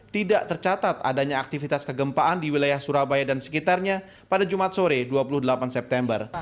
tidak tercatat adanya aktivitas kegempaan di wilayah surabaya dan sekitarnya pada jumat sore dua puluh delapan september